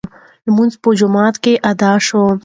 لمونځ په جومات کې ادا شو.